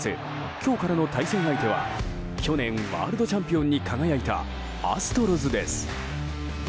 今日からの対戦相手は去年ワールドチャンピオンに輝いたアストロズです。